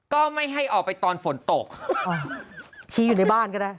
ก็ไม่ให้ออกไปตอนฝนตกชี้อยู่ในบ้านก็ได้